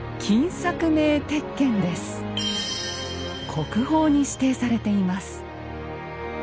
国宝に指定されています。